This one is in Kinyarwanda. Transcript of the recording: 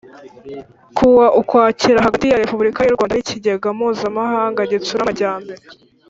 kuwa Ukwakira hagati ya Repubulika y u Rwanda n Ikigega Mpuzamahanga Gitsura Amajyambere